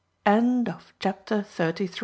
CHAPTER THIRTY FOUR.